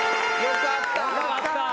よかった。